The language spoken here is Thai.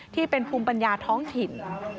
ที่เป็นภูมิปัญญาท้องถิ่น